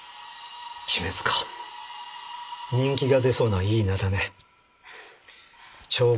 鬼滅か人気が出そうないい名だね調合